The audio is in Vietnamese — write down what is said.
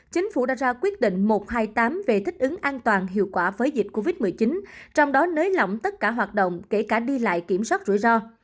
chính phủ đã ra quyết định một trăm hai mươi tám về thích ứng an toàn hiệu quả với dịch covid một mươi chín trong đó nới lỏng tất cả hoạt động kể cả đi lại kiểm soát rủi ro